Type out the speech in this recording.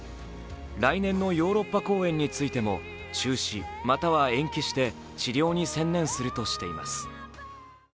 来年のヨーロッパ公演についても中止、または延期して治療に専念するとしています。